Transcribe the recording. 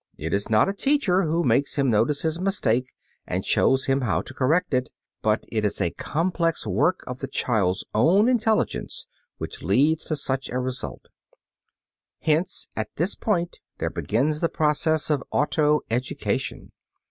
It is not a teacher who makes him notice his mistake and shows him how to correct it, but it is a complex work of the child's own intelligence which leads to such a result. Hence at this point there begins the process of auto education.